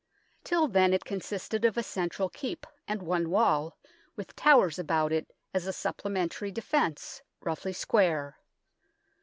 Till then it consisted of a central Keep and one wall, with towers about it as a supplementary defence, roughly square.